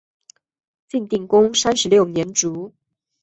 晋定公三十六年卒。